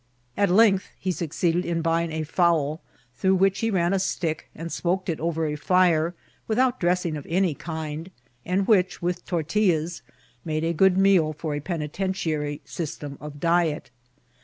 At length he succeeded in buying a fowl, through which he ran a stick, and smoked it over a fire, without dressing of any kind, and which, with tor tillas, made a good meal for a penitentiary system of diet.